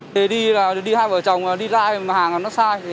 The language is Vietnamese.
thì đi là đi hai vợ chồng đi lại mà hàng nó sai